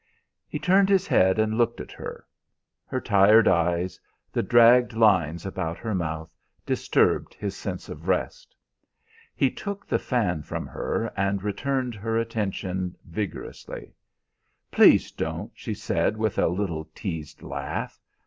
He turned his head and looked at her; her tired eyes, the dragged lines about her mouth, disturbed his sense of rest. He took the fan from her and returned her attention vigorously. "Please don't!" she said with a little teased laugh.